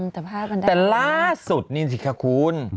แต่ล่าสุดนี่สิคะคุณ